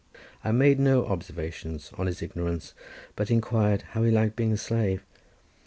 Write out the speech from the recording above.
I made no observations on his ignorance, but inquired how he liked being a slave?